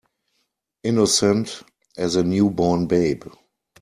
Innocent as a new born babe.